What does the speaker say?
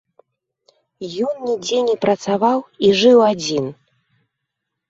Ён нідзе не працаваў і жыў адзін.